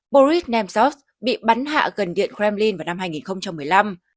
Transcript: boris nemsoft bị bắn hạ gần điện kremlin vào năm hai nghìn một mươi năm